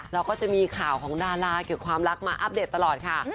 เราก็จะมีข่าวของดาราเก็บความรักมาอัปเดตตลอดค่ะ